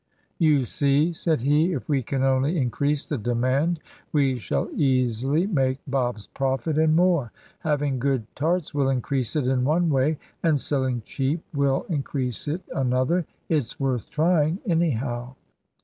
"You see," said he, "if we can only increase the demand, we shall easily make Bob's profit, and more. Having good tarts will increase it in one way, and selling cheap will increase it another. It's worth trying, anyhow."